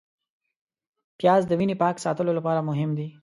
پیاز د وینې پاک ساتلو لپاره مهم دی